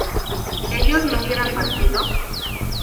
¿ellos no hubieran partido?